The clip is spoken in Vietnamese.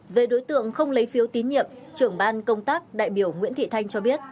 về đối tượng không lấy phiếu tín nhiệm trưởng ban công tác đại biểu nguyễn thị thanh cho biết